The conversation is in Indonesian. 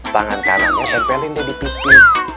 tangan kanannya tempelin dia di pipi